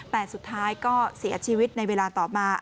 แต่สุดท้ายก็เสียชีวิตในเวลาต่อมา